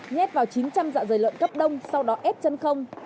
nhét vào chín trăm linh dạ dày lợn cấp đông sau đó ép chân không